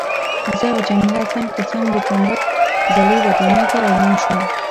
زه او جميله څنګ پر څنګ د ګمرک زړې ودانۍ ته روان شوو.